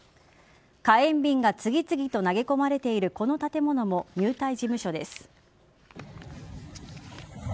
火炎瓶が次々と投げ込まれているこの建物も入隊事務所です。